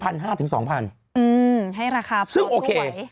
ให้ราคาพอช่วยไหว่ซึ่งโอเค